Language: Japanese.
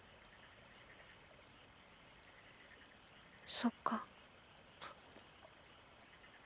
そっか。